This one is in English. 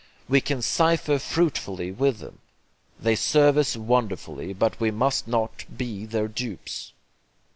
We can cipher fruitfully with them; they serve us wonderfully; but we must not be their dupes.